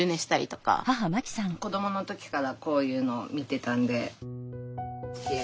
子どもの時からこういうのを見てたんで。